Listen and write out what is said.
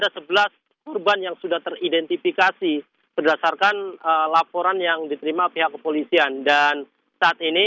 ada sebelas kurban yang sudah teridentifikasi berdasarkan laporan yang diterima pihak kepolisian dan saat ini